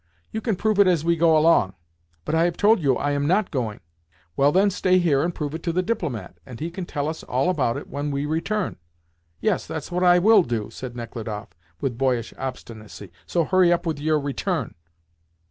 "You can prove it as we go along." "But I have told you that I am not going." "Well, then, stay here and prove it to the diplomat, and he can tell us all about it when we return." "Yes, that's what I will do," said Nechludoff with boyish obstinacy, "so hurry up with your return."